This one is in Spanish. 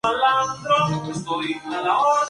Dispone de dos andenes laterales y de dos vías.